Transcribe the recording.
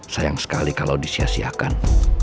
sayang sekali kalau disiasiakan